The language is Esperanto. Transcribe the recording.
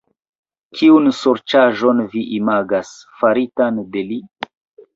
Kiun sorĉaĵon vi imagas, faritan de li?